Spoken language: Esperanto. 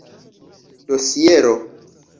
dosiero